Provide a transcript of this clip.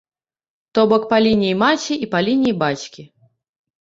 То бок па лініі маці і па лініі бацькі.